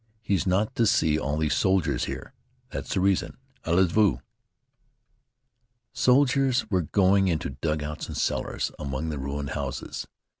He's not to see all these soldiers here. That's the reason. Allez! Vite!" Soldiers were going into dugouts and cellars among the ruined houses.